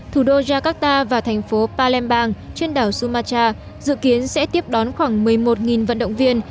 thủ đô jakarta và thành phố palembang trên đảo sumatra dự kiến sẽ tiếp đón khoảng một mươi một vận động viên